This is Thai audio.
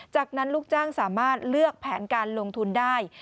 จากนั้นลูกจ้างสามารถเลือกแผนการลงทุนได้